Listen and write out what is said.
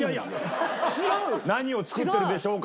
「何を作ってるでしょうか？」とか。